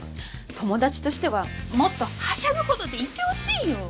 友達としてはもっとはしゃぐほどでいてほしいよ